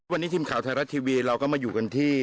วันนี้ทีมข่าวไทยรัฐทีวีเราก็มาอยู่กันที่